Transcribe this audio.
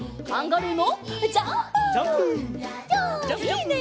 いいね。